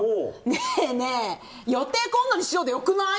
ねえねえ、予定今度にしようで良くない？